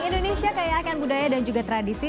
indonesia kaya akan budaya dan juga tradisi